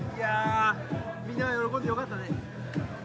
みんな喜んでてよかったね。